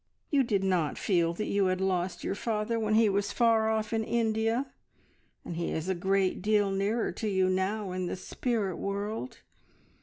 "You did not feel that you had lost your father when he was far off in India, and he is a great deal nearer to you now in the spirit world.